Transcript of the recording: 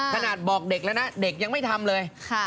ขนาดบอกเด็กแล้วนะเด็กยังไม่ทำเลย